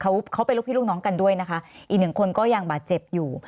เขาเขาเป็นลูกพี่ลูกน้องกันด้วยนะคะอีกหนึ่งคนก็ยังบาดเจ็บอยู่